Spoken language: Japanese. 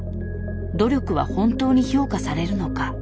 「努力は本当に評価されるのか」